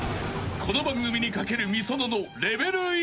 ［この番組に懸けるｍｉｓｏｎｏの］